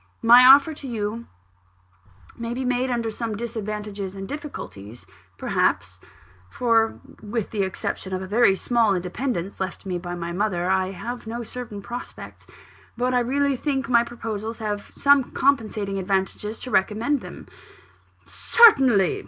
My offer to you may be made under some disadvantages and difficulties, perhaps; for, with the exception of a very small independence, left me by my mother, I have no certain prospects. But I really think my proposals have some compensating advantages to recommend them " "Certainly!